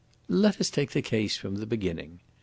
"Let us take the case from the beginning.